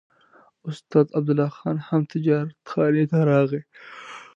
استاد عبدالله خان هم تجارتخانې ته راغی.